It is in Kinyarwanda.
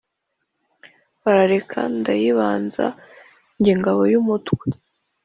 barareka nkayibanza jye ngabo y'umutwe.